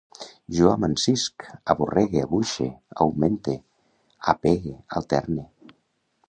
Jo amansisc, aborregue, abuixe, augmente, apegue, alterne